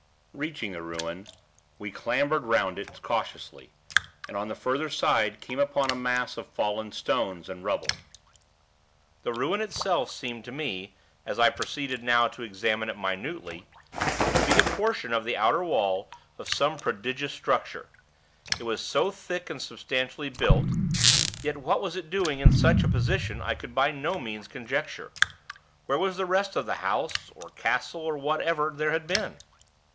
Reaching the ruin, we clambered 'round it cautiously, and, on the further side, came upon a mass of fallen stones and rubble. The ruin itself seemed to me, as I proceeded now to examine it minutely, to be a portion of the outer wall of some prodigious structure, it was so thick and substantially built; yet what it was doing in such a position I could by no means conjecture. Where was the rest of the house, or castle, or whatever there had been?